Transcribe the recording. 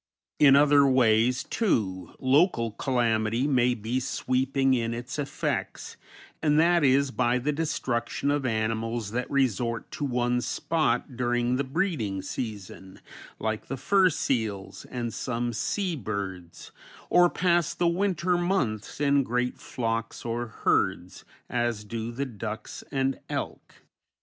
In other ways, too, local calamity may be sweeping in its effects, and that is by the destruction of animals that resort to one spot during the breeding season, like the fur seals and some sea birds, or pass the winter months in great flocks or herds, as do the ducks and elk.